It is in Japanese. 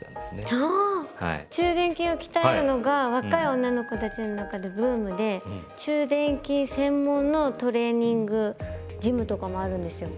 中臀筋を鍛えるのが若い女の子たちの中でブームで中臀筋専門のトレーニングジムとかもあるんですよ。